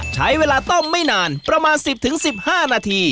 ใช้เวลาต้มไม่นานประมาณ๑๐๑๕นาที